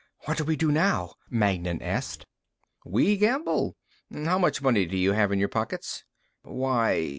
"What do we do now?" Magnan asked. "We gamble. How much money do you have in your pockets?" "Why